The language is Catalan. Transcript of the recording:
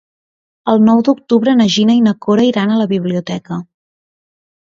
El nou d'octubre na Gina i na Cora iran a la biblioteca.